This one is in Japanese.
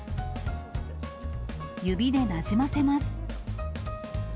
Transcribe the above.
指でなじませます。